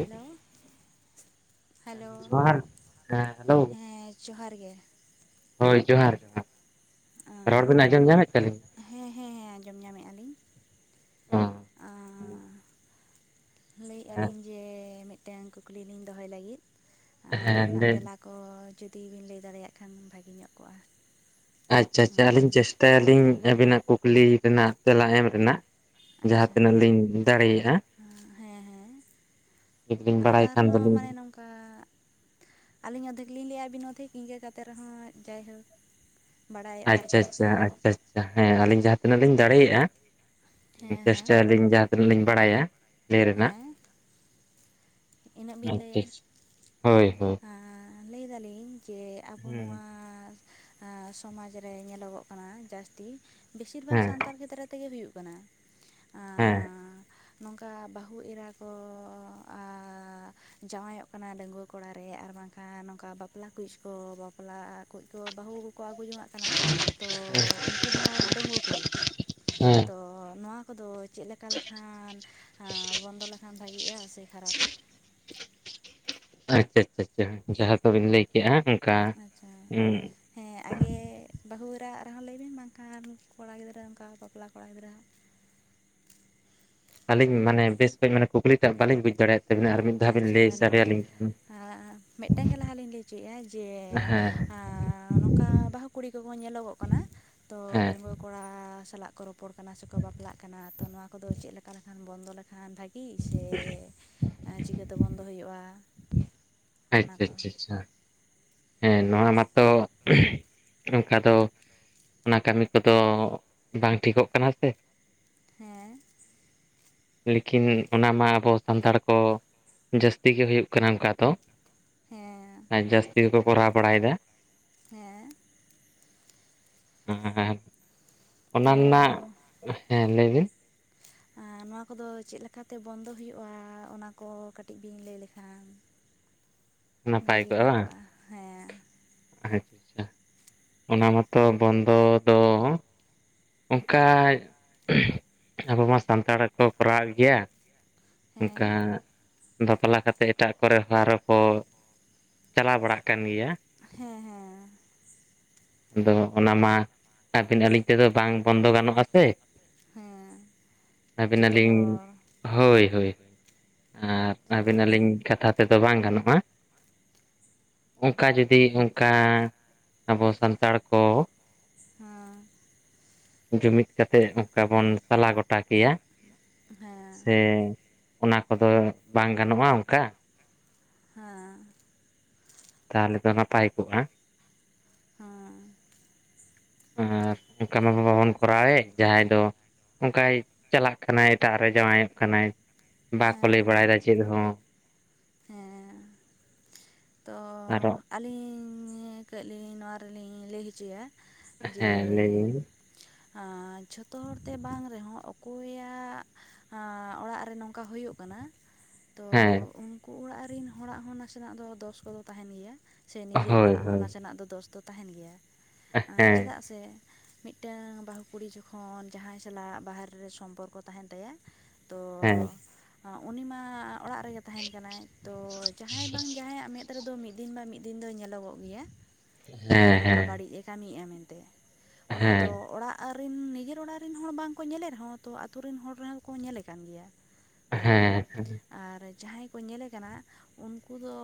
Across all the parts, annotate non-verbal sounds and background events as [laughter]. Hello hello ᱡᱚᱦᱟᱨ ᱦᱮᱸ hello ᱦᱮᱸ ᱡᱚᱦᱟᱨ ᱜᱮ ᱦᱳᱭ ᱡᱚᱦᱟᱨ ᱨᱚᱲ ᱵᱤᱱ ᱟᱸᱡᱚᱢ ᱧᱟᱢᱮᱫ ᱛᱟᱹᱞᱤᱧ ᱦᱮᱸ ᱦᱮᱸ ᱦᱮᱸ ᱟᱸᱡᱚᱢ ᱧᱟᱢᱮᱫᱼᱟ ᱞᱤᱧ ᱚ ᱟᱸᱻ ᱞᱟᱹᱭᱮᱜᱼᱟ ᱞᱤᱧ ᱡᱮᱻ ᱢᱤᱫ ᱢᱤᱫᱴᱮᱱ ᱠᱩᱠᱞᱤ ᱞᱤᱧ ᱫᱚᱦᱚᱭ ᱞᱟᱹᱜᱤᱫ ᱚᱱᱟ ᱦᱮᱸ ᱨᱮᱱᱟᱜ ᱦᱮᱸ ᱛᱮᱞᱟ ᱠᱚ ᱡᱩᱫᱤᱵᱤᱱ ᱞᱟᱹᱭ ᱫᱟᱲᱮᱭᱟᱜ ᱠᱷᱟᱱ ᱵᱷᱟᱹᱜᱮ ᱧᱚᱜ ᱠᱚᱜᱼᱟ᱾ ᱟᱪᱪᱷᱟ ᱟᱪᱪᱷᱟ ᱟᱹᱞᱤᱧ ᱪᱮᱥᱴᱟᱭᱟᱞᱤᱧ ᱟᱹᱵᱤᱱᱟᱜ ᱠᱩᱠᱞᱤ ᱨᱮᱱᱟᱜ ᱛᱮᱞᱟ ᱮᱢ ᱨᱮᱱᱟᱜ᱾ ᱡᱟᱦᱟᱸ ᱟᱪᱪᱷᱟ ᱛᱤᱱᱟᱹᱜ ᱞᱤᱧ ᱫᱟᱲᱮᱭᱟᱜᱼᱟ᱾ ᱦᱮᱸ ᱦᱮᱸ ᱠᱟᱹᱴᱤᱡ ᱞᱤᱧ ᱵᱟᱲᱟᱭ ᱠᱷᱟᱱ ᱫᱚᱞᱤᱧ ᱵᱟ ᱟᱹᱞᱤᱧ ᱚᱫᱷᱮᱠ ᱞᱤᱧ ᱞᱟᱹᱭᱟ ᱟᱵᱤᱱ ᱚᱫᱷᱮᱠ ᱤᱝᱠᱟᱹ ᱠᱟᱛᱮᱜ ᱨᱮᱦᱚᱸ ᱡᱟᱭᱦᱳᱠ ᱵᱟᱲᱟᱭᱚᱜᱼᱟ ᱟᱪᱪᱷᱟ ᱟᱨᱠᱤ ᱟᱪᱪᱷᱟ ᱟᱪᱪᱷᱟ ᱦᱮᱸ ᱟᱹᱞᱤᱧ ᱡᱟᱦᱟᱸ ᱛᱤᱱᱟᱹᱜ ᱞᱤᱧ ᱫᱟᱲᱮᱭᱟᱜᱼᱟ ᱦᱮᱸ ᱦᱮᱸ ᱪᱮᱥᱴᱟᱭᱟᱞᱤᱧ ᱡᱟᱦᱟᱸ ᱛᱤᱱᱟᱹᱜ ᱞᱤᱧ ᱵᱟᱲᱟᱭᱟ ᱞᱟᱹᱭ ᱨᱮᱱᱟᱜ ᱦᱮᱸ ᱤᱱᱟᱹᱜ ᱵᱤᱱ ᱟᱪᱪᱷᱟ ᱞᱟᱹᱭᱟ ᱟᱪᱪᱷᱟ ᱦᱳᱭ ᱦᱳᱭ ᱟᱸ ᱞᱟᱹᱭ ᱮᱫᱟᱞᱤᱧ ᱡᱮ ᱟᱵᱚ ᱦᱮᱸ ᱱᱚᱣᱟ ᱥᱚᱢᱟᱡᱽ ᱨᱮ ᱧᱮᱞᱚᱜᱚᱜ ᱠᱟᱱᱟ ᱡᱟᱹᱥᱛᱤ ᱵᱮᱥᱤᱨ ᱵᱷᱟᱜᱽ ᱦᱮᱸ ᱥᱟᱱᱛᱟᱲ ᱠᱷᱮᱛᱨᱮ ᱛᱮᱜᱮ ᱦᱩᱭᱩᱜ ᱠᱟᱱᱟ ᱦᱮᱸ ᱟᱸᱻ ᱱᱚᱝᱠᱟ ᱵᱟᱹᱦᱩ ᱮᱨᱟ ᱠᱚ ᱡᱟᱶᱟᱭᱚᱜ ᱠᱟᱱᱟ ᱰᱟᱺᱜᱣᱟᱹ ᱠᱚᱲᱟ ᱨᱮ ᱟᱨ ᱵᱟᱝᱠᱷᱟᱱ ᱱᱚᱝᱠᱟ ᱵᱟᱯᱞᱟ ᱠᱩᱪ ᱠᱚ ᱵᱟᱯᱞᱟ ᱠᱩᱡ ᱠᱚ ᱵᱟᱹᱦᱩ ᱠᱚ ᱟᱹᱜᱩ ᱡᱚᱝᱟᱜ ᱠᱟᱱᱟ ᱛᱚ ᱩᱝᱠᱩ ᱦᱚᱸ ᱰᱟᱺᱜᱽᱣᱟᱹ ᱠᱩᱲᱤ ᱦᱮᱸ ᱛᱚ ᱱᱚᱣᱟ ᱠᱚᱫᱚ ᱪᱮᱜ ᱞᱮᱠᱟ ᱞᱮᱠᱷᱟᱱ ᱵᱚᱱᱫᱚ ᱞᱮᱠᱷᱟᱱ ᱵᱷᱟᱜᱤᱜᱼᱟ ᱥᱮ ᱠᱷᱟᱨᱟᱯ ᱟᱪᱪᱷᱟ ᱟᱪᱷᱟ ᱟᱪᱪᱷᱟ ᱡᱟᱦᱟᱸ ᱠᱚᱵᱤᱱ ᱞᱟᱹᱭ ᱠᱮᱜ-ᱟ ᱚᱝᱠᱟ ᱟᱪᱪᱷᱟ ᱦᱮᱸ ᱟᱜᱮ ᱵᱟᱹᱦᱩ ᱮᱨᱟᱣᱟᱜ ᱨᱮᱦᱚᱸ ᱞᱟᱹᱭ ᱵᱮᱱ ᱵᱟᱝᱠᱷᱟᱱ ᱠᱚᱲᱟ ᱜᱤᱫᱽᱨᱟᱹ ᱚᱝᱠᱟ ᱵᱟᱯᱞᱟ ᱠᱚᱲᱟ ᱜᱤᱫᱽᱨᱟᱹᱣᱟᱜ ᱟᱹᱞᱤᱧ ᱢᱟᱱᱮ ᱵᱮᱥ ᱠᱟᱹᱡ ᱢᱟᱱᱮ ᱠᱩᱠᱞᱤᱴᱟᱜ ᱵᱟᱞᱤᱧ ᱵᱩᱡᱽ ᱫᱟᱲᱮᱭᱟᱜ ᱛᱟᱵᱤᱱᱟ ᱟᱨ ᱢᱤᱫ ᱫᱷᱟᱣ ᱵᱤᱱ ᱞᱟᱹᱭ ᱥᱟᱰᱮᱭᱟᱞᱤᱧ ᱠᱮᱭᱟ᱾ ᱟ ᱢᱤᱜᱴᱟᱝ ᱜᱮ ᱞᱟᱦᱟ ᱞᱤᱧ ᱞᱟᱹᱭ ᱦᱚᱪᱚᱭᱮᱜᱼᱟ ᱡᱮ ᱦᱮᱸ ᱟ ᱱᱚᱝᱠᱟ ᱵᱟᱹᱦᱩ ᱠᱩᱲᱤ ᱠᱚᱠᱚ ᱧᱮᱞᱚᱜᱚᱜ ᱠᱟᱱᱟ ᱛᱚ ᱦᱮᱸ ᱰᱟᱺᱜᱣᱟᱹ ᱠᱚᱲᱟ ᱥᱟᱞᱟᱜ ᱠᱚ ᱨᱚᱯᱚᱲ ᱯᱚᱲ ᱠᱟᱱᱟ ᱥᱮᱠᱚ ᱵᱟᱯᱞᱟᱜ ᱠᱟᱱᱟ ᱛᱚ ᱱᱚᱣᱟ ᱠᱚᱫᱚ ᱪᱮᱜ ᱞᱮᱠᱟ ᱞᱮᱠᱷᱟᱱ ᱵᱚᱱᱫᱚ ᱞᱮᱠᱷᱟᱱ ᱵᱷᱟᱹᱜᱤ ᱥᱮ ᱮᱸ ᱪᱤᱠᱟᱹᱛᱮ ᱵᱚᱱᱫᱚ ᱦᱩᱭᱩᱜᱼᱟ? ᱚᱱᱟ ᱟᱪᱪᱷᱟ ᱠᱚ ᱟᱪᱪᱷᱟ ᱪᱷᱟ ᱦᱮᱸ ᱱᱚᱣᱟ ᱢᱟᱛᱚ ᱚᱝᱠᱟ ᱫᱚ ᱚᱱᱟ ᱠᱟᱹᱢᱤ ᱠᱚᱫᱚ ᱵᱟᱝ ᱴᱷᱤᱠᱚᱜ ᱠᱟᱱᱟ ᱥᱮ᱾ ᱦᱮᱸ ᱞᱮᱠᱤᱱ ᱚᱱᱟᱢᱟ ᱟᱵᱚ ᱥᱟᱱᱛᱟᱲ ᱠᱚ ᱡᱟᱹᱥᱛᱤ ᱜᱮ ᱦᱩᱭᱩᱜ ᱠᱟᱱᱟ ᱚᱝᱠᱟ ᱫᱚ᱾ ᱦᱮᱸ ᱟ ᱡᱟᱹᱥᱛᱤ ᱜᱮᱠᱚ ᱠᱚᱨᱟᱣ ᱵᱟᱲᱟᱭᱫᱟ᱾ ᱦᱮᱸ [unintelligible] ᱚᱱᱟ ᱛᱚ ᱱᱟᱜ ᱦᱮᱸ ᱞᱟᱹᱭᱵᱤᱱ ᱟᱸ ᱱᱚᱣᱟ ᱠᱚᱫᱚ ᱪᱮᱜ ᱞᱮᱠᱟᱛᱮ ᱵᱚᱱᱫᱚ ᱦᱩᱭᱩᱜᱼᱟ ᱚᱱᱟ ᱠᱚ ᱠᱟᱹᱴᱤᱡ ᱵᱤᱱ ᱞᱟᱹᱭ ᱞᱮᱠᱷᱟᱱ ᱱᱟᱯᱟᱭ ᱵᱷᱟᱜᱮ ᱠᱚᱜᱼᱟ ᱧᱚᱜ ᱵᱟᱝ? ᱦᱮᱸ ᱟᱪᱪᱷᱟ ᱚᱱᱟ ᱢᱟᱛᱚ ᱵᱚᱱᱫᱚ ᱫᱚ ᱚᱝᱠᱟ ᱟᱵᱚ ᱢᱟ ᱥᱟᱱᱛᱟᱲ ᱦᱚᱸᱠᱚ ᱠᱚᱨᱟᱣᱮᱜ ᱜᱮᱭᱟ᱾ ᱚᱝᱠᱟ ᱦᱮᱸ ᱵᱟᱯᱞᱟ ᱠᱟᱛᱮᱜ ᱮᱴᱟᱜ ᱠᱚᱨᱮ ᱦᱚᱸ ᱟᱨᱚ ᱠᱚ ᱪᱟᱞᱟᱣ ᱵᱟᱲᱟᱜ ᱠᱟᱱ ᱜᱮᱭᱟ᱾ ᱦᱮᱸ ᱦᱮᱸ ᱟᱫᱚ ᱚᱱᱟ ᱢᱟ ᱟᱵᱤᱱ ᱟᱹᱞᱤᱧ ᱛᱮᱫᱚ ᱵᱟᱝ ᱵᱚᱱᱫᱚ ᱜᱟᱱᱚᱜᱼᱟ ᱥᱮ᱾ ᱮᱸ ᱟᱹᱵᱤᱱ ᱡᱚᱛᱚ ᱟᱹᱞᱤᱧ ᱦᱚᱲ ᱦᱳᱭ ᱦᱳᱭ ᱟᱨ ᱟᱹᱵᱤᱱ ᱥᱚᱢᱟᱱ ᱛᱮ ᱟᱹᱞᱤᱧ ᱠᱟᱛᱷᱟ ᱛᱮᱫᱚ ᱵᱟᱝ ᱜᱟᱱᱚᱜᱼᱟ᱾ ᱚᱝᱠᱟ ᱡᱩᱫᱤ ᱚᱝᱠᱟ ᱟᱵᱚ ᱥᱟᱱᱛᱟᱲ ᱠᱚ ᱦᱮᱸ ᱡᱩᱢᱤᱫ ᱠᱟᱛᱮᱜ ᱚᱝᱠᱟ ᱵᱚᱱ ᱥᱟᱞᱟ ᱜᱚᱴᱟ ᱠᱮᱭᱟ ᱦᱮᱸ ᱥᱮ ᱚᱱᱟ ᱠᱚᱫᱚ ᱵᱟᱝ ᱜᱟᱱᱚᱜ-ᱟ ᱚᱱᱠᱟ ᱦᱮᱸ ᱛᱟᱦᱚᱞᱮ ᱫᱚ ᱱᱟᱯᱟᱭ ᱠᱚᱜ-ᱟ ᱦᱮᱸ ᱟᱨ ᱚᱱᱠᱟ ᱢᱟ ᱵᱟᱵᱟᱵᱚᱱ ᱠᱚᱨᱟᱣᱮᱫ ᱡᱟᱦᱟᱸᱭ ᱫᱚ ᱚᱱᱠᱟᱭ ᱪᱟᱞᱟᱜ ᱠᱟᱱᱟᱭ ᱮᱴᱟᱜ ᱨᱮ ᱡᱟᱶᱟᱭᱚᱜ ᱠᱟᱱᱟᱭ ᱵᱟᱠᱚ ᱞᱟᱹᱭ ᱦᱮᱸ ᱵᱟᱲᱟᱭᱮᱫᱟ ᱪᱮᱫ ᱦᱚᱸ ᱦᱮᱸ ᱛᱚ ᱟᱨᱚ ᱟᱹᱞᱤᱧ ᱠᱟᱹᱡ ᱞᱤᱧ ᱱᱚᱣᱟ ᱨᱮᱞᱤᱧ ᱞᱟᱹᱭ ᱦᱚᱪᱚᱭᱟ ᱡᱮ ᱦᱮᱸ ᱞᱟᱹᱭ ᱵᱤᱱ ᱡᱷᱚᱛᱚ ᱦᱚᱲᱛᱮ ᱵᱟᱝ ᱨᱮᱦᱚᱸ ᱚᱠᱚᱭᱟᱜ ᱚᱲᱟᱜ ᱨᱮ ᱱᱚᱝᱠᱟ ᱦᱩᱭᱩᱜ ᱠᱟᱱᱟ ᱦᱮᱸ ᱛᱚ ᱩᱱᱠᱩ ᱚᱲᱟᱜ ᱨᱮᱱ ᱦᱚᱲᱟᱜ ᱦᱚᱸ ᱱᱟᱥᱮᱱᱟᱜ ᱫᱚ ᱫᱚᱥ ᱠᱚᱫᱚ ᱛᱟᱦᱮᱸᱱ ᱜᱮᱭᱟ ᱥᱮ ᱱᱤᱡᱮᱨ ᱦᱳᱭ ᱦᱚᱲᱟᱜ ᱦᱚᱸ ᱦᱳᱭ ᱱᱟᱥᱮᱱᱟᱜ ᱫᱚ ᱫᱚᱥ ᱫᱚ ᱛᱟᱦᱮᱸᱱ ᱜᱮᱭᱟ ᱦᱮᱸ ᱪᱮᱫᱟᱜ ᱥᱮ ᱢᱤᱫᱴᱟᱝ ᱵᱟᱹᱦᱩ ᱠᱩᱲᱤ ᱡᱚᱠᱷᱚᱱ ᱡᱟᱦᱟᱸᱭ ᱥᱟᱞᱟᱜ ᱵᱟᱦᱨᱮ ᱨᱮ ᱥᱚᱢᱯᱚᱨᱠᱚ ᱛᱟᱦᱮᱸᱱ ᱛᱟᱭᱟ ᱛᱚ ᱦᱮᱸ ᱦᱮᱸ ᱩᱱᱤ ᱢᱟ ᱚᱲᱟᱜ ᱨᱮᱜᱮ ᱛᱟᱦᱮᱱ ᱠᱟᱱᱟᱭ ᱛᱚ ᱡᱟᱦᱟᱸᱭ ᱵᱟᱝ ᱡᱟᱦᱟᱸᱭᱼᱟᱜ ᱢᱮᱫ ᱨᱮᱫᱚ ᱢᱤᱫ ᱫᱤᱱ ᱵᱟ ᱢᱤᱫ ᱫᱤᱱ ᱫᱚ ᱧᱮᱞᱚᱜᱚᱜ ᱜᱮᱭᱟ ᱡᱮ ᱦᱮᱸ ᱱᱚᱝᱠᱟ ᱦᱮᱸ ᱵᱟᱹᱲᱤᱡ ᱮ ᱠᱟᱹᱢᱤ ᱮᱫᱟ ᱢᱮᱱᱛᱮ ᱚᱱᱟ ᱫᱚ ᱦᱮᱸ ᱚᱲᱟᱜ ᱟᱨ ᱨᱮᱱ ᱱᱤᱡᱮᱨ ᱚᱲᱟᱜ ᱨᱮᱱ ᱦᱚᱲ ᱵᱟᱝ ᱠᱚ ᱧᱮᱞᱮᱫ ᱨᱮᱦᱚᱸ ᱛᱚ ᱟᱛᱳ ᱨᱮᱱ ᱦᱚᱲ ᱨᱮᱦᱚᱸ ᱠᱚ ᱧᱮᱞᱮ ᱠᱟᱱ ᱜᱮᱭᱟ᱾ ᱟᱨᱠᱤ ᱦᱮᱸ ᱟᱨ ᱡᱟᱦᱟᱸᱭ ᱠᱚ ᱧᱮᱞᱮ ᱠᱟᱱᱟ ᱩᱱᱠᱩ ᱫᱚ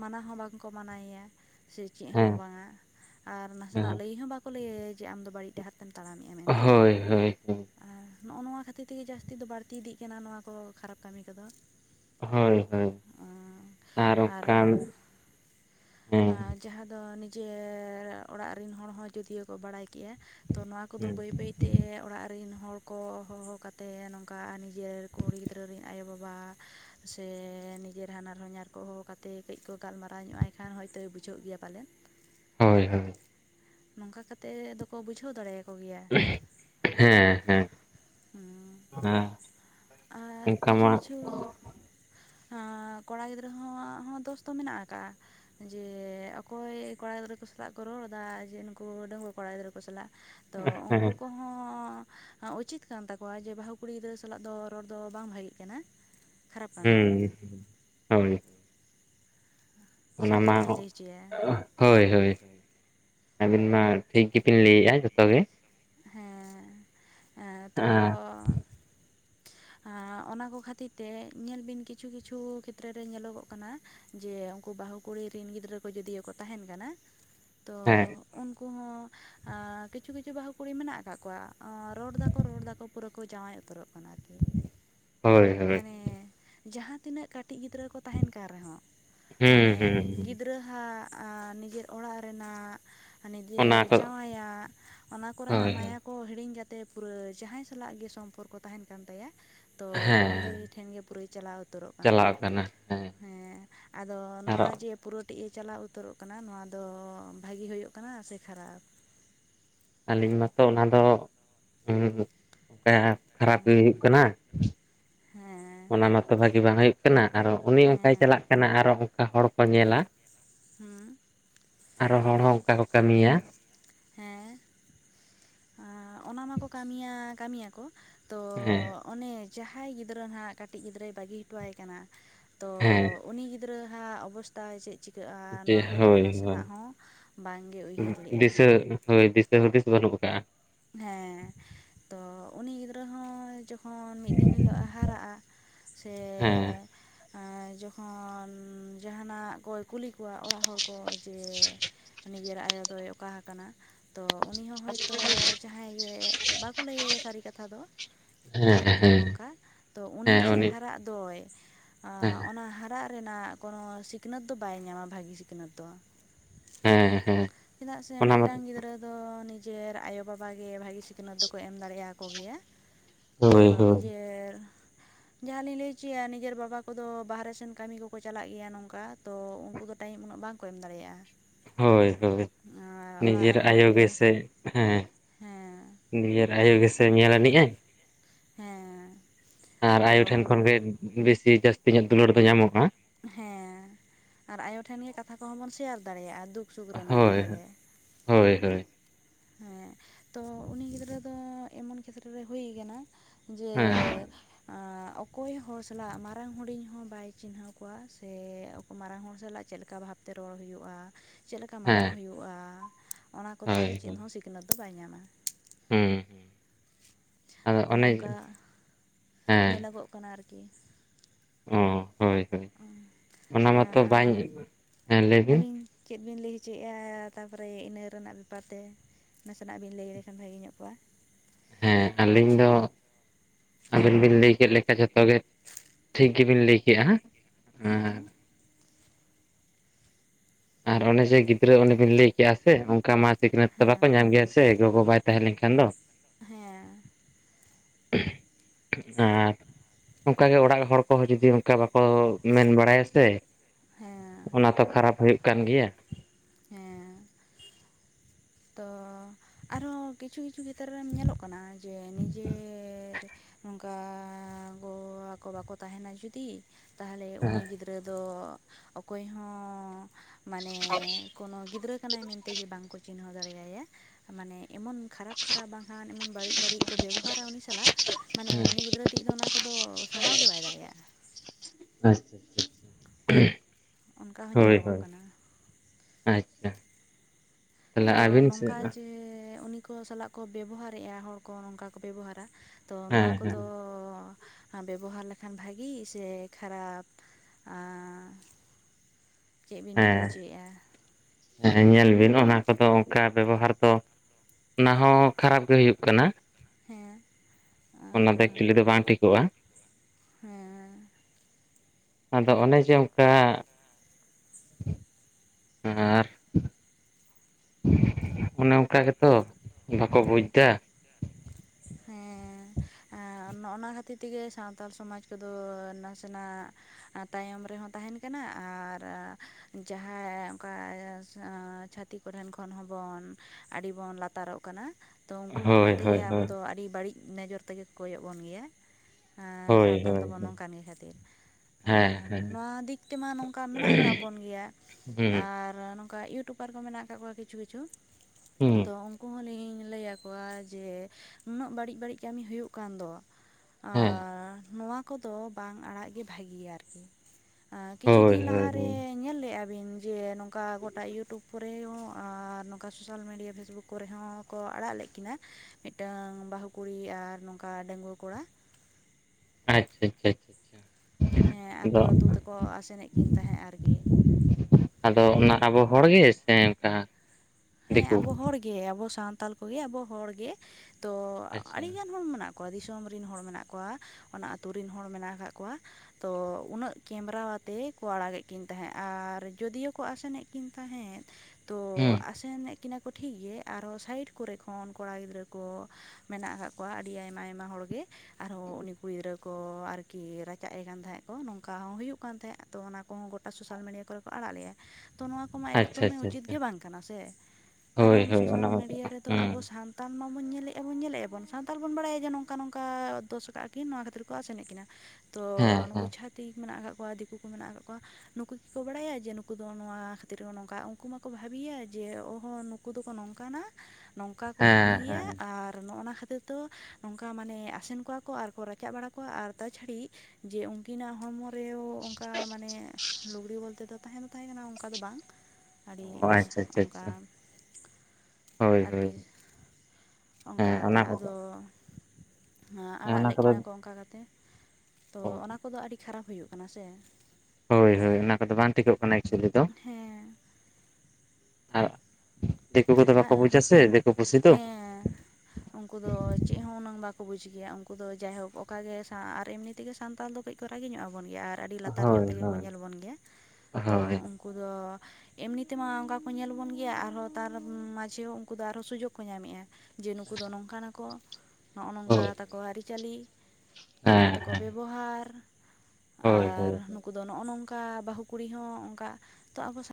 ᱢᱟᱱᱟᱣ ᱦᱚᱸ ᱵᱟᱝᱠᱚ ᱢᱟᱱᱟᱭ ᱭᱟ ᱥᱮ ᱪᱮᱫ ᱦᱚᱸ ᱦᱮᱸ ᱵᱟᱝᱟ ᱟᱨ ᱱᱟᱥᱮᱱᱟᱜ ᱞᱟᱹᱭ ᱦᱚᱸ ᱵᱟᱝ ᱠᱚ ᱠᱚ ᱞᱟᱹᱭᱟ ᱡᱮ ᱟᱢ ᱫᱚ ᱵᱟᱹᱲᱤᱡ ᱰᱟᱦᱟᱨ ᱛᱮᱢ ᱛᱟᱲᱟᱢᱮᱜᱼᱟ ᱢᱮᱱᱛᱮ᱾ ᱦᱳᱭ ᱦᱳᱭ ᱟᱨ ᱱᱚᱜᱼᱚ ᱱᱚᱣᱟ ᱠᱷᱟᱹᱛᱤᱨ ᱛᱮᱜᱮ ᱡᱟᱹᱥᱛᱤ ᱫᱚ ᱵᱟᱹᱲᱛᱤ ᱤᱫᱤᱜ ᱠᱟᱱᱟ ᱱᱚᱣᱟ ᱠᱚ ᱠᱷᱟᱨᱟᱯ ᱠᱟᱹᱢᱤ ᱠᱚᱫᱚ᱾ ᱦᱳᱭ ᱦᱳᱭ ᱟᱨ [unintelligible] ᱚᱱᱠᱟᱱ ᱦᱮᱸ ᱡᱟᱦᱟᱸ ᱫᱚ ᱱᱤᱡᱮ ᱚᱲᱟᱜ ᱨᱮᱱ ᱦᱚᱲ ᱦᱚᱸ ᱡᱳᱫᱤᱭᱳ ᱠᱚ ᱵᱟᱲᱟᱭ ᱠᱮᱜᱼᱟ᱾ ᱛᱚ ᱱᱚᱣᱟ ᱠᱚᱫᱚ ᱦᱮᱸ ᱵᱟᱹᱭ ᱵᱟᱹᱭᱛᱮ ᱚᱲᱟᱜ ᱨᱮᱱ ᱦᱚᱲ ᱠᱚ ᱦᱚᱦᱚ ᱠᱟᱛᱮᱫ ᱱᱚᱝᱠᱟ ᱱᱤᱡᱮᱨ ᱠᱩᱲᱤ ᱜᱤᱫᱽᱨᱟᱹ ᱨᱮᱱ ᱟᱭᱳ-ᱵᱟᱵᱟ᱾ ᱥᱮ ᱱᱤᱡᱮᱨ ᱦᱟᱱᱟᱨ ᱦᱚᱧᱦᱟᱨ ᱠᱚᱦᱚᱸ ᱠᱟᱛᱮ ᱠᱟᱹᱡ ᱠᱚ ᱜᱟᱞᱢᱟᱣ ᱧᱚᱜᱼᱟᱭ ᱠᱷᱟᱱ ᱦᱚᱭᱛᱚᱭ ᱵᱩᱡᱷᱟᱹᱜ ᱜᱮᱭᱟ ᱯᱟᱞᱮᱱ᱾ ᱦᱳᱭ ᱦᱳᱭ ᱱᱚᱝᱠᱟ ᱠᱟᱛᱮᱜ ᱫᱚᱠᱚ ᱵᱩᱡᱷᱟᱹᱣ ᱫᱟᱲᱮᱭᱟ ᱠᱚᱜᱮ ᱭᱟ᱾ ᱦᱮᱸ ᱦᱮᱸ ᱟᱨ ᱚᱱᱠᱟ ᱠᱤᱪᱷᱩ ᱢᱟ ᱠᱤᱪᱷᱩ ᱟᱸ ᱠᱚᱲᱟ ᱜᱤᱫᱽᱨᱟᱹ ᱦᱚᱸᱣᱟᱜ ᱦᱚᱸ ᱫᱚᱥ ᱫᱚ ᱢᱮᱱᱟᱜ ᱟᱠᱟᱜᱼᱟ᱾ ᱡᱮ ᱚᱠᱚᱭ ᱠᱚᱲᱟ ᱜᱤᱫᱽᱨᱟᱹ ᱠᱚ ᱥᱟᱞᱟᱜ ᱠᱚ ᱨᱚᱲ ᱫᱟ᱾ ᱡᱮ ᱱᱩᱠᱩ ᱰᱟᱺᱜᱩᱟᱹ ᱠᱚᱲᱟ ᱜᱤᱫᱽᱨᱟᱹ ᱠᱚ ᱥᱟᱞᱟᱜ ᱛᱚ ᱦᱮᱸ ᱩᱱᱠᱩ ᱠᱚᱦᱚᱸ ᱩᱪᱤᱛ ᱠᱟᱱ ᱛᱟᱠᱚᱣᱟ ᱡᱮ ᱵᱟᱹᱦᱩ ᱠᱩᱲᱤ ᱜᱤᱫᱽᱨᱟᱹ ᱥᱟᱞᱟᱜ ᱫᱚ ᱨᱚᱲ ᱫᱚ ᱵᱟᱝ ᱵᱷᱟᱜᱤᱜ ᱠᱟᱱᱟ᱾ ᱠᱷᱟᱨᱟᱯ ᱠᱟᱹᱢᱤ ᱠᱟᱱᱟ ᱦᱩᱸ ᱦᱳᱭ᱾ ᱥᱮ ᱚᱱᱟ ᱢᱟ ᱪᱮᱫ ᱵᱤᱱ ᱞᱟᱹᱭ ᱦᱚᱪᱚᱭᱟ [unintelligible] ᱦᱳᱭ ᱦᱳᱭ, ᱟᱹᱵᱤᱱ ᱢᱟ ᱴᱷᱤᱠ ᱜᱮᱵᱤᱱ ᱞᱟᱹᱭᱮᱜᱼᱟ ᱡᱚᱛᱚ ᱜᱮ᱾ ᱦᱮᱸ ᱛᱚ ᱚᱱᱟ ᱠᱚ ᱠᱷᱟᱹᱛᱤᱨ ᱛᱮ ᱧᱮᱞ ᱵᱤᱱ ᱠᱤᱪᱷᱩ ᱠᱤᱪᱷᱩ ᱠᱷᱮᱛᱨᱮ ᱨᱮ ᱧᱮᱞᱚᱜᱚᱜ ᱠᱟᱱᱟ᱾ ᱡᱮ ᱩᱱᱠᱩ ᱵᱟᱹᱦᱩ ᱠᱩᱲᱤ ᱨᱮᱱ ᱜᱤᱫᱽᱨᱟᱹ ᱠᱚ ᱡᱚᱫᱤᱭᱳ ᱠᱚ ᱛᱟᱦᱮᱱ ᱠᱟᱱᱟ᱾ ᱛᱚ ᱦᱮᱸ ᱩᱱᱠᱩ ᱦᱚᱸ ᱠᱤᱪᱷᱩ ᱠᱤᱪᱷᱩ ᱵᱟᱦᱩ ᱠᱩᱲᱤ ᱢᱮᱱᱟᱜ ᱟᱠᱟᱫ ᱠᱚᱣᱟ ᱨᱚᱲ ᱫᱟᱠᱚ ᱨᱚᱲ ᱮᱫᱟᱠᱚ ᱯᱩᱨᱟᱹ ᱠᱚ ᱡᱟᱶᱟᱭ ᱩᱛᱟᱹᱨᱚᱜ ᱠᱟᱱᱟ ᱟᱨᱠᱤ᱾ ᱦᱳᱭ ᱦᱳᱭ ᱢᱟᱱᱮ ᱡᱟᱦᱟᱸ ᱛᱤᱱᱟᱹᱜ ᱠᱟᱴ ᱴᱤᱜ ᱜᱤᱫᱽᱨᱟᱹ ᱠᱚ ᱛᱟᱦᱮᱱ ᱠᱟᱱ ᱨᱮᱦᱚᱸ ᱦᱩᱸ ᱢᱟᱱᱮ ᱦᱩᱸ ᱜᱤᱫᱽᱨᱟᱹ ᱦᱟᱸᱜ ᱟᱨ ᱱᱤᱡᱮᱨ ᱚᱲᱟᱜ ᱨᱮᱱᱟᱜ, ᱚᱱᱟ ᱱᱤᱡᱮᱨ ᱠᱚᱫᱚ ᱡᱟᱶᱟᱭᱟᱜ ᱚᱱᱟ ᱠᱚᱨᱮᱱᱟᱜ ᱦᱳᱭ ᱦᱳᱭ ᱦᱮᱸ ᱢᱟᱭᱟ ᱠᱚ ᱦᱤᱲᱤᱧᱛᱮ ᱯᱩᱨᱟᱹ ᱡᱟᱦᱟᱸᱭ ᱥᱟᱞᱟᱜ ᱜᱮ ᱥᱚᱢᱯᱚᱨᱠᱚ ᱛᱟᱦᱮᱱ ᱠᱟᱱ ᱛᱟᱭᱟ, ᱛᱚ ᱦᱮᱸ ᱩᱱᱤ ᱴᱷᱮᱱ ᱜᱮ ᱯᱩᱨᱟᱹᱭ ᱪᱟᱞᱟᱣ ᱩᱛᱟᱹᱨᱚᱜ ᱠᱟᱱᱟ᱾ ᱦᱮᱸ ᱟᱫᱚ ᱟᱨ ᱱᱚᱣᱟ ᱡᱮ ᱯᱩᱨᱟᱹ ᱠᱟᱹᱴᱤᱡ ᱮ ᱪᱟᱞᱟᱣ ᱩᱛᱟᱹᱨᱚᱜ ᱠᱟᱱᱟ ᱱᱚᱣᱟ ᱫᱚ ᱵᱷᱟᱜᱤ ᱦᱳᱭᱳᱜ ᱠᱟᱱᱟ ᱥᱮ ᱠᱷᱟᱨᱟᱯ? ᱟᱹᱞᱤᱧ ᱢᱟᱛᱚ ᱚᱱᱟ ᱫᱚ ᱩᱸ ᱮᱸ ᱠᱷᱟᱨᱟᱯ ᱜᱮ ᱦᱩᱭᱩᱜ ᱠᱟᱱᱟ᱾ ᱦᱮᱸ ᱚᱱᱟ ᱢᱟᱛᱚ ᱵᱷᱟᱹᱜᱤ ᱵᱟᱝ ᱦᱳᱭᱳᱜ ᱠᱟᱱᱟ ᱟᱨᱚ ᱩᱱᱤ ᱚᱱᱠᱟᱭ ᱦᱮᱸ ᱪᱟᱞᱟᱜ ᱠᱟᱱᱟ ᱟᱨᱚ ᱚᱱᱠᱟ ᱦᱚᱲ ᱠᱚ ᱧᱮᱞᱟ᱾ ᱦᱮᱸ ᱟᱨᱚ ᱦᱚᱲ ᱦᱚᱸ ᱚᱱᱠᱟ ᱠᱚ ᱠᱟᱹᱢᱤᱭᱟ᱾ ᱦᱮᱸ ᱚᱱᱟ ᱢᱟᱠᱚ ᱠᱟᱹᱢᱤᱭᱟ ᱠᱟᱹᱢᱤᱭᱟᱠᱚ ᱛᱚ ᱦᱮᱸ ᱚᱱᱮ ᱡᱟᱦᱟᱸᱭ ᱜᱤᱫᱽᱨᱟᱹ ᱱᱟᱦᱟᱜ ᱠᱟᱹᱴᱤᱡ ᱜᱤᱫᱽᱨᱟᱹᱭ ᱵᱟᱹᱜᱤ ᱦᱚᱴᱚᱣᱟᱭ ᱠᱟᱱᱟ ᱛᱚ ᱦᱮᱸ ᱩᱱᱤ ᱜᱤᱫᱽᱨᱟᱹ ᱦᱟ ᱚᱵᱚᱥ ᱛᱟ ᱪᱮᱫ ᱪᱤᱠᱟᱹᱜᱼᱟ ᱡᱮ ᱱᱚᱣᱟ ᱠᱚᱫᱚ ᱦᱳᱭ ᱦᱳᱭ ᱱᱟᱥᱮᱱᱟᱜ ᱦᱚᱸ ᱵᱟᱝᱜᱮ ᱩᱭᱦᱟᱹᱨ ᱞᱮᱜᱼᱟ ᱾ ᱫᱤᱥᱟᱹ ᱦᱳᱭ ᱫᱤᱥᱟᱹ ᱦᱩᱫᱤᱥ ᱵᱟᱹᱱᱩᱜ ᱠᱟᱜᱼᱟ᱾ ᱦᱮᱸ ᱛᱚ ᱩᱱᱤ ᱜᱤᱫᱽᱨᱟᱹ ᱦᱚᱸ ᱡᱚᱠ ᱦᱚᱸ ᱢᱤᱫ ᱫᱤᱱ ᱦᱤᱞᱳᱜ ᱮ ᱦᱟᱨᱟᱜᱼᱟ ᱥᱮ ᱦᱮᱸ ᱡᱚᱠᱷᱚᱱ ᱡᱟᱦᱟᱱᱟᱜ ᱠᱚᱭ ᱠᱩᱞᱤ ᱠᱚᱣᱟ ᱚᱲᱟᱜ ᱦᱚᱲ ᱠᱚ ᱡᱮ ᱱᱤᱡᱮᱨ ᱟᱭᱳ ᱫᱚᱭ ᱚᱠᱟ ᱟᱠᱟᱱᱟ ᱛᱚ ᱩᱱᱤ ᱦᱚᱸ ᱦᱚᱭᱛᱚ ᱡᱟᱦᱟᱸᱭ ᱜᱮ ᱵᱟᱠᱚ ᱞᱟᱹᱭᱟ ᱥᱟᱹᱨᱤ ᱠᱟᱛᱷᱟ ᱫᱚ ᱦᱮᱸ ᱡᱮ ᱱᱚᱝᱠᱟ ᱦᱮᱸ ᱱᱚᱝᱠᱟ ᱛᱚ ᱩᱱᱤ ᱪᱮ ᱦᱟᱨᱟᱜ ᱫᱚᱭ ᱦᱮᱸ ᱚᱱᱟ ᱦᱟᱨᱟᱜ ᱨᱮᱱᱟᱜ ᱠᱚᱱᱚ ᱥᱤᱠᱷᱱᱟᱹᱛ ᱫᱚ ᱵᱟᱭ ᱧᱟᱢᱟ ᱵᱷᱟᱹᱜᱤ ᱥᱤᱠᱷᱱᱟᱹᱛ ᱫᱚ ᱦᱮᱸ ᱦᱮᱸ ᱪᱮᱫᱟᱜ ᱥᱮ ᱚᱱᱟ ᱢᱟ ᱢᱤᱫᱴᱟᱝ ᱜᱤᱫᱽᱨᱟᱹ ᱫᱚ ᱱᱤᱡᱮᱨ ᱟᱭᱳᱼᱵᱟᱵᱟ ᱜᱮ ᱵᱷᱟᱜᱤ ᱥᱤᱠᱷᱱᱟᱹᱛ ᱫᱚᱠᱚ ᱮᱢ ᱫᱟᱲᱮᱭᱟᱠᱚ ᱜᱮᱭᱟ ᱛᱚ ᱦᱳᱭ ᱦᱳᱭ ᱱᱤᱡᱮᱨ ᱡᱟᱦᱟᱸ ᱞᱤᱧ ᱞᱟᱹᱭ ᱚᱪᱚᱭᱟ ᱱᱤᱡᱮᱨ ᱵᱟᱵᱟ ᱠᱚᱫᱚ ᱵᱟᱨᱦᱮ ᱥᱮᱱ ᱠᱟᱹᱢᱤ ᱠᱚᱠᱚ ᱪᱟᱞᱟᱜ ᱜᱮᱭᱟ ᱱᱚᱝᱠᱟ ᱛᱚ ᱩᱱᱠᱩ ᱫᱚ ᱴᱟᱭᱤᱢ ᱩᱱᱟᱹᱜ ᱵᱟᱝ ᱠᱚ ᱮᱢ ᱫᱟᱲᱮᱭᱟᱜᱼᱟ ᱦᱳᱭ ᱦᱳᱭ ᱟᱨ ᱚᱲᱟᱜ ᱱᱤᱡᱮᱨ ᱨᱮ ᱟᱭᱳ ᱱᱤᱡᱮᱨ ᱜᱮᱥᱮ ᱦᱮᱸ ᱦᱮᱸ ᱱᱤᱡᱮᱨ ᱟᱭᱳ ᱜᱮᱥᱮ ᱧᱮᱞ ᱟᱹᱱᱤᱡᱟᱭ ᱦᱮᱸ ᱟᱨ ᱟᱭᱳ ᱛᱚ ᱴᱷᱮᱱ ᱠᱷᱚᱱᱜᱮ ᱵᱮᱥᱤ ᱡᱟᱹᱥᱛᱤ ᱧᱚᱜ ᱫᱩᱞᱟᱹᱲ ᱫᱚ ᱧᱟᱢᱚᱜᱼᱟ ᱦᱮᱸ ᱟᱨ ᱟᱭᱳ ᱴᱷᱮᱱ ᱜᱮ ᱠᱟᱛᱷᱟ ᱠᱚᱦᱚᱸ ᱵᱚᱱ ᱥᱮᱭᱟᱨ ᱫᱟᱲᱮᱭᱟᱜᱼᱟ ᱫᱩᱠ ᱥᱩᱠ ᱨᱮᱱᱟᱜ ᱡᱟᱦᱟᱸ ᱦᱳᱭ ᱜᱮ ᱦᱳᱭ ᱦᱳᱭ ᱦᱮᱸ ᱛᱚ ᱩᱱᱤ ᱜᱤᱫᱽᱨᱟᱹ ᱫᱚ ᱮᱢᱚᱱ ᱠᱷᱮᱛᱨᱮ ᱨᱮ ᱦᱩᱭ ᱠᱟᱱᱟ ᱡᱮᱻ ᱦᱮᱸ ᱚᱠᱚᱭ ᱦᱚᱲ ᱥᱟᱞᱟᱜ ᱢᱟᱨᱟᱝ ᱦᱩᱰᱤᱧ ᱦᱚᱸ ᱵᱟᱭ ᱪᱤᱱᱦᱟᱹᱣ ᱠᱚᱣᱟ ᱥᱮ ᱢᱟᱨᱟᱝ ᱦᱚᱲ ᱥᱟᱞᱟᱜ ᱪᱮᱫ ᱞᱮᱠᱟ ᱵᱷᱟᱵᱽᱛᱮ ᱨᱚᱲ ᱦᱩᱭᱩᱜᱼᱟ? ᱪᱮᱫ ᱞᱮᱠᱟ ᱢᱟᱱᱟᱣ ᱦᱮᱸ ᱦᱩᱭᱩᱜᱼᱟ? ᱚᱱᱟ ᱠᱚᱫᱚ ᱦᱳᱭ ᱟᱫᱚ ᱪᱮᱫ ᱦᱳᱭ ᱦᱚᱸ ᱥᱤᱠᱷᱱᱟᱹᱛ ᱫᱚ ᱵᱟᱭ ᱧᱟᱢᱟ ᱦᱩᱸ ᱟᱫᱚ ᱚᱱᱮ ᱦᱮᱸ ᱧᱮᱞᱚᱜᱚᱜ ᱠᱟᱱᱟ ᱟᱨ ᱠᱤ ᱚ ᱦᱳᱭ ᱦᱳᱭ ᱚᱱᱟ ᱢᱟᱛᱚ ᱵᱟᱹᱧ ᱟᱹᱵᱤᱱ ᱪᱮᱫ ᱵᱤᱱ ᱞᱟᱹᱭ ᱦᱚᱪᱚᱭᱮᱫᱼᱟ ᱛᱟᱨᱯᱚᱨᱮ ᱤᱱᱟᱹ ᱨᱮᱱᱟᱜ ᱵᱮᱯᱟᱨ ᱛᱮ? ᱱᱟᱥᱮᱱᱟᱜ ᱵᱤᱱ ᱞᱟᱹᱭ ᱞᱮᱠᱷᱟᱱ ᱵᱷᱟᱜᱮ ᱧᱚᱜ ᱠᱚᱜᱼᱟ ᱦᱮᱸ ᱟᱹᱞᱤᱧ ᱫᱚ ᱟᱵᱤᱱ ᱵᱤᱱ ᱞᱟᱹᱭ ᱠᱮᱫ ᱞᱮᱠᱟ ᱡᱷᱚᱛᱚᱜ ᱜᱮ ᱴᱷᱤᱠ ᱜᱮᱵᱤᱱ ᱞᱟᱹᱭ ᱠᱮᱫᱼᱟ ᱦᱩᱸ ᱟᱨ ᱚᱱᱮ ᱡᱮ ᱜᱤᱫᱽᱨᱟᱹ ᱚᱱᱮ ᱵᱤᱱ ᱞᱟᱹᱭ ᱠᱮᱜᱼᱟ ᱥᱮ ᱚᱱᱠᱟ ᱢᱟ ᱥᱤᱠᱷᱱᱟᱹᱛ ᱫᱚ ᱵᱟᱠᱚ ᱦᱮᱸ ᱧᱟᱢ ᱜᱮᱭᱟ ᱥᱮ ᱜᱚᱜᱚ ᱵᱟᱭ ᱛᱟᱦᱮᱸ ᱞᱮᱱᱠᱷᱟᱱ ᱠᱷᱟᱱ ᱫᱚ ᱦᱮᱸ ᱟᱨ ᱚᱱᱠᱟᱜᱮ ᱚᱲᱟᱜ ᱦᱚᱲ ᱠᱚᱦᱚᱸ ᱡᱩᱫᱤ ᱚᱱᱠᱟ ᱵᱟᱠᱚ ᱢᱮᱱ ᱵᱟᱲᱟᱭᱟ ᱥᱮ ᱦᱮᱸ ᱚᱱᱟ ᱛᱚ ᱠᱷᱟᱨᱟᱯ ᱦᱩᱭᱩᱜ ᱠᱟᱱ ᱜᱮᱭᱟ। ᱦᱮᱸ ᱛᱚᱻ ᱟᱨᱦᱚᱸ ᱠᱤᱪᱷᱩ ᱠᱤᱪᱷᱩ ᱠᱷᱮᱛᱨᱮ ᱨᱮ ᱧᱮᱞᱚᱜ ᱠᱟᱱᱟ ᱡᱮ ᱱᱤᱡᱮᱨᱻ ᱱᱚᱝᱠᱟᱻ ᱜᱚ ᱵᱟᱵᱟ ᱠᱚ ᱵᱟᱠᱚ ᱛᱟᱸᱦᱮᱱᱟ ᱡᱩᱫᱤ ᱛᱟᱦᱚᱞᱮ ᱩᱱᱤ ᱦᱮᱸ ᱜᱤᱫᱽᱨᱟᱹ ᱫᱚ ᱚᱠᱚᱭᱦᱚᱸ ᱢᱟᱱᱮ ᱠᱳᱱᱳ ᱜᱤᱫᱽᱨᱟᱹ ᱠᱟᱱᱟᱭ ᱢᱮᱱ ᱛᱮᱜᱮ ᱵᱟᱝᱠᱚ ᱪᱤ ᱪᱤᱱᱦᱟᱹᱣ ᱫᱟᱲᱮᱭᱟᱭᱟ ᱢᱟᱱᱮ ᱮᱢᱚᱱ ᱠᱷᱟᱨᱟᱯ ᱠᱷᱟᱨᱟᱯ ᱵᱟᱝᱠᱷᱟᱱ ᱮᱢᱚᱱ ᱵᱟᱹᱲᱤᱡ ᱵᱟᱹᱲᱤᱡ ᱠᱚ ᱵᱮᱵᱚᱦᱟᱨᱟ ᱩᱱᱤ ᱥᱟᱞᱟᱜ ᱢᱟᱱᱮ ᱦᱮᱸ ᱩᱱᱤ ᱜᱤᱫᱽᱨᱟᱹ ᱴᱤᱡ ᱫᱚ ᱚᱱᱟ ᱠᱚᱫᱚ ᱥᱟᱦᱟᱣ ᱜᱮ ᱵᱟᱭ ᱫᱟᱲᱮᱭᱟᱜᱼᱟ। ᱟᱪᱪᱷᱟ ᱟᱪᱪᱷᱟ ᱚᱱᱠᱟ ᱦᱚᱸ ᱦᱳᱭ ᱧᱮᱞᱚᱜᱚᱜ ᱦᱳᱭ ᱠᱟᱱᱟ ᱟᱪᱪᱷᱟ ᱛᱟᱦᱚᱞᱮ ᱛᱚ ᱟᱹᱵᱤᱱ ᱱᱚᱝᱠᱟ ᱥᱮᱫ ᱡᱮ ᱩᱱᱤ ᱠᱚ ᱥᱟᱞᱟᱜ ᱠᱚ ᱵᱮᱵᱚᱦᱟᱨᱮᱜᱼᱟ ᱦᱚᱲ ᱠᱚ ᱱᱚᱝᱠᱟ ᱠᱚ ᱵᱮᱵᱚᱦᱟᱨᱟ। ᱛᱚ ᱱᱚᱣᱟ ᱦᱮᱸ ᱠᱚᱫᱚᱻ ᱦᱮᱸ ᱵᱮᱵᱚᱦᱟᱨ ᱞᱮᱠᱷᱟᱱ ᱵᱷᱟᱜᱤ ᱥᱮ ᱠᱷᱟᱨᱟᱯ? ᱟᱸᱻ ᱪᱮᱫ ᱵᱤᱱ ᱞᱟᱹᱭ ᱦᱮᱸ ᱦᱚᱪᱚᱭᱮᱫᱼᱟ? ᱦᱮᱸ ᱧᱮᱞ ᱵᱤᱱ ᱚᱱᱟ ᱠᱚᱫᱚ ᱚᱱᱠᱟ ᱵᱮᱵᱚᱦᱟᱨ ᱫᱚ ᱚᱱᱟ ᱦᱚᱸ ᱠᱷᱟᱨᱟᱯ ᱜᱮ ᱦᱩᱭᱩᱜ ᱠᱟᱱᱟ। ᱦᱮᱸ ᱚᱱᱟ ᱫᱚ ᱮᱠᱪᱩᱣᱮᱞᱤ ᱫᱚ ᱵᱟᱝ ᱴᱷᱤᱠᱚᱜᱼᱟ। ᱦᱮᱸ ᱟᱫᱚ ᱚᱱᱮ ᱡᱮ ᱚᱱᱠᱟ ᱟᱨ ᱚᱱᱮ ᱚᱱᱠᱟ ᱜᱮᱛᱚ ᱵᱟᱠᱚ ᱵᱩᱡᱽ ᱮᱫᱟ। ᱦᱮᱸ ᱮ ᱚᱱᱟ ᱠᱷᱟᱹᱛᱤᱨ ᱛᱮᱜᱮ ᱥᱟᱱᱛᱟᱲ ᱥᱚᱢᱟᱡᱽ ᱠᱚᱫᱚ ᱱᱟᱥᱮᱱᱟᱜ ᱛᱟᱭᱚᱢ ᱨᱮᱦᱚᱸ ᱛᱟᱦᱮᱱ ᱠᱟᱱᱟ ᱟᱨ ᱡᱟᱦᱟᱸᱭ ᱚᱱᱠᱟ ᱥᱮ ᱪᱷᱟᱹᱛᱤᱠ ᱩᱱᱠᱩ ᱨᱤᱱᱠᱷᱚᱱ ᱦᱚᱸᱵᱚᱱ ᱟᱹᱰᱤ ᱵᱚᱱ ᱞᱟᱛᱟᱨᱚᱜ ᱠᱟᱱᱟ। ᱛᱚ ᱩᱱᱠᱩ ᱦᱚᱸ ᱚᱱᱟ ᱦᱳᱭ ᱛᱮᱜᱮ ᱦᱳᱭ ᱟᱵᱚ ᱦᱳᱭ ᱫᱚ ᱟᱹᱰᱤ ᱵᱟᱹᱲᱤᱡ ᱱᱚᱡᱚᱨ ᱛᱮᱜᱮ ᱠᱚ ᱠᱚᱭᱚᱜ ᱵᱚᱱ ᱜᱮᱭᱟ। ᱦᱮᱸ ᱦᱳᱭ ᱥᱟᱱᱛᱟᱞ ᱦᱳᱭ ᱫᱚᱵᱚᱱ ᱱᱚᱝᱠᱟ ᱜᱮ ᱠᱷᱟᱹᱛᱤᱨ ᱦᱮᱸ ᱦᱮᱸ ᱱᱚᱣᱟ ᱫᱤᱠ ᱛᱮᱢᱟ ᱱᱚᱝᱠᱟ ᱢᱮᱱᱟᱜ ᱟᱠᱟᱫ ᱵᱚᱱ ᱜᱮᱭᱟ ᱦᱩᱸ ᱟᱨ ᱟᱨ ᱱᱚᱝᱠᱟ ᱤᱭᱩᱴᱩᱵᱟᱨ ᱠᱚ ᱢᱮᱱᱟᱜ ᱟᱠᱟᱫ ᱠᱚᱣᱟ ᱠᱤᱪᱷᱩ ᱠᱤᱪᱷᱩ ᱦᱩᱸ ᱛᱚ ᱩᱱᱠᱩ ᱦᱚᱸ ᱞᱤᱧ ᱞᱟᱹᱭ ᱟᱠᱚ ᱠᱚᱣᱟ ᱡᱮ ᱱᱩᱱᱟᱹᱜ ᱵᱟᱹᱲᱤᱡ ᱵᱟᱹᱲᱤᱡ ᱠᱟᱹᱢᱤ ᱦᱩᱭᱩᱜ ᱠᱟᱱ ᱫᱚ ᱦᱮᱸ ᱟᱨ ᱱᱚᱣᱟ ᱠᱚᱫᱚ ᱵᱟᱝ ᱟᱲᱟᱜ ᱜᱮ ᱵᱷᱟᱹᱜᱮᱭᱟ ᱟᱨ ᱠᱤ ᱠᱤᱪᱷᱩ ᱦᱳᱭ ᱫᱤᱱ ᱦᱳᱭ ᱞᱟᱦᱟᱨᱮ ᱦᱳᱭ ᱧᱮᱞ ᱞᱮᱜᱼᱟ ᱵᱤᱱ? ᱡᱮ ᱱᱚᱝᱠᱟ ᱜᱚᱴᱟ ᱤᱭᱩᱴᱤᱭᱩᱵᱽ ᱠᱚᱨᱮ ᱦᱚᱸ ᱟᱨ ᱱᱚᱝᱠᱟ ᱥᱳᱥᱟᱞ ᱢᱤᱰᱤᱭᱟ ᱯᱷᱮᱥᱵᱩᱠ ᱠᱚᱨᱮ ᱦᱚᱸ। ᱠᱚ ᱟᱲᱟᱜ ᱞᱮᱫ ᱠᱤᱱᱟ ᱢᱤᱫᱴᱟᱝ ᱵᱟᱹᱦᱩ ᱠᱩᱲᱤ ᱟᱨ ᱱᱚᱝᱠᱟ ᱰᱟᱺᱜᱩᱣᱟᱹ ᱠᱚᱲᱟ। ᱟᱪᱪᱷᱟ ᱟᱪᱪᱷᱟ ᱟᱪᱪᱷᱟ ᱟᱪᱪᱷᱟ ᱦᱮᱸ ᱟᱹᱛᱩ ᱟᱫᱚ ᱟᱹᱛᱩ ᱛᱮᱠᱚ ᱟᱥᱮᱱᱮᱫ ᱠᱤᱱ ᱛᱟᱸᱦᱮᱜ ᱟᱨᱠᱤ। ᱟᱫᱚ ᱚᱱᱟ ᱟᱵᱚ ᱦᱚᱲ ᱜᱮ ᱥᱮ ᱚᱱᱠᱟ ᱦᱮᱸ ᱫᱤᱠᱩ ᱟᱵᱚ ᱦᱚᱲᱜᱮ ᱟᱵᱚ ᱥᱟᱱᱛᱟᱲ ᱠᱚᱜᱮ ᱟᱵᱚ ᱦᱚᱲ ᱜᱮ ᱛᱚ ᱟᱪᱪᱷᱟ ᱟᱹᱰᱤᱜᱟᱱ ᱦᱚᱲ ᱢᱮᱱᱟᱜ ᱠᱚᱣᱟ। ᱟᱠᱚ ᱫᱤᱥᱚᱢ ᱨᱮᱱ ᱦᱚᱲ ᱢᱮᱱᱟᱜ ᱠᱚᱣᱟ ᱚᱱᱟ ᱟᱹᱛᱩ ᱨᱮᱱ ᱦᱚᱲ ᱢᱮᱱᱟᱜ ᱟᱠᱟᱫ ᱠᱚᱣᱟ। ᱛᱚ ᱩᱱᱟᱹᱜ ᱠᱮᱢᱨᱟ ᱟᱛᱮ ᱠᱚ ᱟᱲᱟᱜᱮᱫ ᱠᱤᱱ ᱛᱟᱦᱮᱸᱜ ᱟᱨ ᱡᱚᱫᱤᱭᱳ ᱠᱚ ᱟᱥᱮᱱᱮᱫ ᱠᱤᱱᱟ ᱠᱤᱱ ᱛᱟᱦᱮᱸᱫ ᱛᱚ ᱦᱩᱸ ᱟᱥᱮᱱᱮᱫ ᱠᱤᱱᱟ ᱠᱚ ᱴᱷᱤᱠ ᱜᱮ ᱟᱨᱦᱚᱸ ᱥᱟᱭᱤᱰ ᱠᱚᱨᱮ ᱠᱷᱚᱱ ᱠᱚᱲᱟ ᱜᱤᱫᱽᱨᱟᱹ ᱠᱚ ᱢᱮᱱᱟᱜ ᱟᱠᱟᱫ ᱠᱚᱣᱟ। ᱠᱚᱣᱟ ᱟᱹᱰᱤ ᱟᱭᱢᱟ ᱟᱭᱢᱟ ᱦᱚᱲ ᱜᱮ ᱟᱨᱦᱚᱸ ᱩᱱᱤ ᱠᱩᱲᱤ ᱜᱤᱫᱽᱨᱟᱹ ᱠᱚ ᱟᱨᱠᱤ ᱨᱟᱪᱟᱜ ᱮ ᱠᱟᱱ ᱛᱟᱦᱮᱸᱫ। ᱛᱚ ᱱᱚᱝᱠᱟ ᱦᱚᱸ ᱦᱩᱭᱩᱜ ᱠᱟᱱ ᱛᱟᱦᱮᱸᱫ ᱛᱚ ᱚᱱᱟ ᱠᱚᱦᱚᱸ ᱜᱚᱴᱟ ᱥᱳᱥᱟᱞ ᱢᱤᱰᱤᱭᱟ ᱠᱚᱨᱮ ᱠᱚ ᱟᱲᱟᱜ ᱞᱮᱜᱼᱟ, ᱛᱚ ᱱᱚᱣᱟ ᱠᱚ ᱟᱪᱪᱷᱟ ᱮᱠᱫᱚᱢᱮ ᱟᱪᱪᱷᱟ ᱩᱪᱤᱛ ᱟᱪᱪᱷᱟ ᱜᱮ ᱵᱟᱝ ᱠᱟᱱᱟ ᱥᱮ ᱦᱳᱭ ᱠᱟᱨᱚᱱ ᱦᱳᱭ ᱥᱳᱥᱟᱞ ᱚᱱᱟ ᱢᱟ ᱦᱩᱸ ᱢᱤᱰᱤᱭᱟ ᱨᱮᱫᱚ ᱟᱵᱚ ᱦᱮᱸ ᱥᱟᱱ ᱥᱟᱱᱛᱟᱲ ᱢᱟᱵᱚᱱ ᱧᱮᱞᱮᱫᱼᱟ ᱵᱚᱱ ᱧᱮᱞᱮᱫᱼᱟ ᱵᱚᱱ ᱥᱟᱱᱛᱟᱞ ᱵᱚᱱ ᱵᱟᱲᱟᱭᱟ ᱡᱮ ᱱᱚᱝᱠᱟ ᱱᱚᱝᱠᱟ ᱫᱚᱥ ᱟᱠᱟᱜᱼᱟ ᱠᱤᱱ ᱱᱚᱣᱟ ᱠᱷᱟᱹᱛᱤᱨ ᱠᱚ ᱟᱥᱮᱱᱮᱫ ᱠᱤᱱᱟ। ᱛᱚ ᱦᱮᱸ ᱪᱷᱟᱹᱛᱤᱠ ᱢᱮᱱᱟᱜ ᱟᱠᱟᱫ ᱠᱚᱣᱟ ᱫᱤᱠᱩ ᱠᱚ ᱢᱮᱱᱟᱜ ᱟᱠᱟᱫ ᱠᱚᱣᱟ ᱱᱩᱠᱩ ᱠᱤᱠᱚ ᱵᱟᱲᱟᱭᱟ ᱡᱮ ᱱᱩᱠᱩ ᱫᱚ ᱱᱚᱣᱟ ᱠᱷᱟᱹᱛᱤᱨ ᱱᱚᱝᱠᱟ ᱩᱱᱠᱩ ᱢᱟᱠᱚ ᱵᱷᱟᱹᱵᱤᱭᱟ ᱡᱮ ᱚᱦᱚ ᱱᱩᱠᱩ ᱫᱚᱠᱚ ᱱᱚᱝᱠᱟᱱᱟ ᱱᱚᱝᱠᱟ ᱠᱚ ᱦᱮᱸ ᱦᱮᱸ ᱠᱟᱹᱢᱤᱭᱟ। ᱟᱨ ᱱᱚᱜᱼᱱᱟ ᱠᱷᱟᱹᱛᱤᱨ ᱛᱮ ᱱᱚᱝᱠᱟ ᱢᱟᱱᱮ ᱟᱥᱮᱱ ᱠᱚᱣᱟ ᱠᱚ ᱟᱨ ᱠᱚ ᱨᱟᱪᱟᱜ ᱵᱟᱲᱟ ᱠᱚᱣᱟ ᱟᱨ ᱛᱟ ᱪᱷᱟᱹᱲᱤ ᱡᱮ ᱩᱱᱠᱤᱱᱟᱜ ᱦᱚᱲᱢᱚ ᱨᱮ ᱚᱱᱠᱟ ᱢᱟᱱᱮ ᱞᱩᱜᱽᱲᱤ ᱵᱚᱞᱛᱮ ᱫᱚ ᱛᱟᱦᱮᱸᱱ ᱠᱟᱱᱛᱟᱭᱟ ᱚᱱᱠᱟ ᱫᱚ ᱵᱟᱝ ᱟᱹᱰᱤ ᱚ ᱟᱪᱪᱷᱟ ᱟᱪᱪᱷᱟ ᱟᱪᱪᱷᱟ ᱦᱳᱭ ᱟᱨ ᱦᱳᱭ ᱠᱤ ᱚᱱᱠᱟ ᱦᱮᱸ ᱠᱟᱛᱮ ᱚᱱᱟ ᱟᱫᱚ ᱠᱚᱫᱚ ᱟᱲᱟᱜ ᱚᱱᱟ ᱞᱮᱫ ᱠᱚᱫᱚ ᱠᱤᱱᱟᱹ ᱠᱚ ᱚᱱᱠᱟ ᱠᱟᱛᱮᱜ ᱛᱚ ᱚᱱᱟ ᱠᱚᱫᱚ ᱟᱹᱰᱤ ᱠᱷᱟᱨᱟᱯ ᱦᱩᱭᱩᱜ ᱠᱟᱱᱟ ᱥᱮ ᱦᱳᱭ ᱦᱳᱭ ᱚᱱᱟ ᱠᱚᱫᱚ ᱵᱟᱝ ᱴᱷᱤᱠᱚᱜ ᱠᱟᱱᱟ ᱮᱠᱪᱩᱭᱮᱞᱤ ᱫᱚ ᱦᱮᱸ ᱟᱨ ᱫᱤᱠᱩ ᱠᱚ ᱫᱚ ᱵᱟᱠᱚ ᱵᱩᱡᱽ ᱟᱨ ᱟᱥᱮ ᱫᱤᱠᱩ ᱯᱩᱥᱤ ᱫᱚ ᱦᱮᱸ ᱩᱱᱠᱩ ᱫᱚ ᱪᱮᱫ ᱦᱚᱸ ᱩᱱᱟᱹᱝ ᱵᱟᱠᱚ ᱵᱩᱡᱽ ᱜᱮᱭᱟ ᱩᱱᱠᱩ ᱫᱚ ᱡᱟᱭ ᱦᱳᱠ ᱚᱠᱟ ᱜᱮ ᱟᱨ ᱮᱢᱱᱤ ᱛᱮᱜᱮ ᱥᱟᱱᱛᱟᱞ ᱫᱚ ᱠᱟᱹᱡ ᱠᱚ ᱨᱟᱜᱤ ᱧᱚᱜ ᱟᱵᱚᱱ ᱜᱮᱭᱟ ᱟᱨ ᱟᱹᱰᱤ ᱞᱟᱛᱟᱨ ᱧᱚᱜ ᱦᱳᱭ ᱛᱮᱜᱮ ᱠᱚ ᱦᱳᱭ ᱧᱮᱞ ᱵᱚᱱ ᱜᱮᱭᱟ ᱛᱚ ᱦᱳᱭ ᱩᱱᱠᱩ ᱫᱚ ᱮᱢᱱᱤ ᱛᱮᱢᱟ ᱚᱱᱠᱟ ᱠᱚ ᱧᱮᱞ ᱵᱚᱱ ᱜᱮᱭᱟ ᱟᱨ ᱦᱚᱸ ᱛᱟᱨ ᱢᱟᱡᱷᱮ ᱩᱱᱠᱩ ᱫᱚ ᱟᱨᱦᱚᱸ ᱥᱩᱡᱳᱜ ᱠᱚ ᱧᱟᱢᱮᱜᱼᱟ ᱡᱮ ᱱᱩᱠᱩ ᱫᱚ ᱱᱚᱝᱠᱟ ᱱᱟ ᱠᱚ ᱱᱚᱜᱼᱚᱭ ᱦᱳᱭ ᱱᱚᱝᱠᱟ ᱛᱟᱠᱚ ᱠᱚ ᱟᱹᱨᱤ ᱪᱟᱹᱞᱤ ᱱᱚᱝᱠᱟ ᱦᱮᱸ ᱛᱮᱠᱚ ᱦᱮᱸ ᱵᱮᱵᱚᱦᱟᱨ ᱦᱳᱭ ᱟᱨ ᱦᱳᱭ ᱩᱱᱠᱩ ᱫᱚ ᱱᱚᱜᱼᱚᱭ ᱱᱚᱝᱠᱟ ᱵᱟᱹᱦᱩ ᱠᱩᱲᱤ ᱦᱚᱸ ᱚᱱᱠᱟ ᱛᱚ ᱟᱵᱚ ᱥᱟᱱ